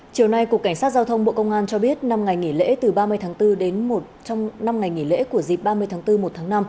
chiều nay cục cảnh sát giao thông bộ công an cho biết năm ngày nghỉ lễ từ ba mươi tháng bốn đến một trong năm ngày nghỉ lễ của dịp ba mươi tháng bốn một tháng năm